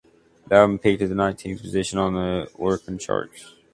The album peaked at the nineteenth position on the Oricon charts.